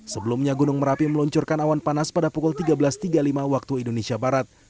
sebelumnya gunung merapi meluncurkan awan panas pada pukul tiga belas tiga puluh lima waktu indonesia barat